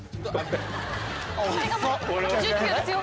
１９ですよ